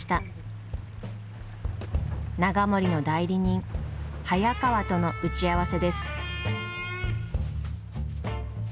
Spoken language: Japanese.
永守の代理人早川との打ち合わせです。